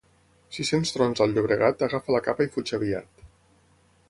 Si sents trons al Llobregat, agafa la capa i fuig aviat.